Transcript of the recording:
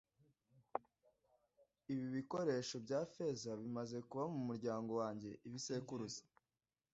Ibi bikoresho bya feza bimaze kuba mumuryango wanjye ibisekuruza.